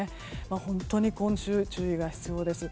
本当に今週、注意が必要です。